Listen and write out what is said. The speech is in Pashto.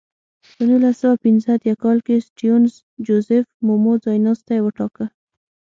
په نولس سوه پنځه اتیا کال کې سټیونز جوزیف مومو ځایناستی وټاکه.